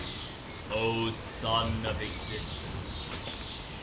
[K] O Son of Existence